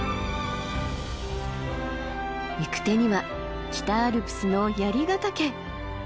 行く手には北アルプスの槍ヶ岳。